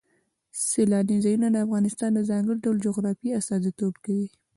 سیلانی ځایونه د افغانستان د ځانګړي ډول جغرافیه استازیتوب کوي.